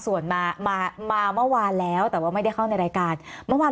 ส่วนมามาเมื่อวานแล้วแต่ว่าไม่ได้เข้าในรายการเมื่อวาน